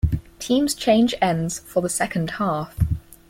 Teams change ends for the second half.